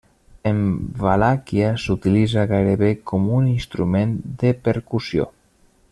En Valàquia s'utilitza gairebé com un instrument de percussió.